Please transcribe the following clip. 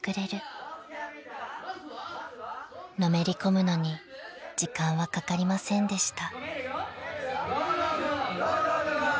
［のめり込むのに時間はかかりませんでした］